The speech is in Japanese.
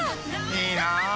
いいなあ。